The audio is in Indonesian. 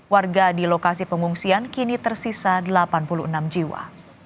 warga di lokasi pengungsian kini tersisa delapan puluh enam jiwa